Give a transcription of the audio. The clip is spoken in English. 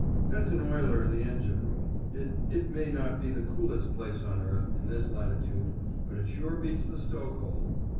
"That's an oiler in the engine room. It—it may not be the coolest place on earth, in this latitude, but it sure beats the stoke hole!"